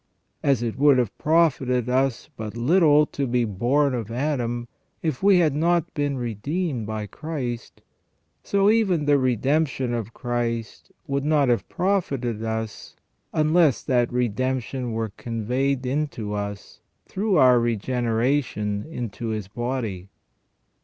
As it would have profited us but little to be born of Adam if we had not been redeemed by Christ, so even the redemp tion of Christ would not have profited us unless that redemption were conveyed into us through our regeneration into His body.